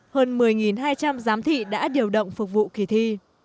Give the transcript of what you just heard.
hơn một mươi hai trăm linh giám thị đã điều động phục vụ kỳ thi